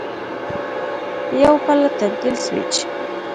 یو پله تبدیل سویچ